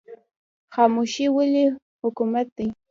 خاموشي ولې حکمت دی؟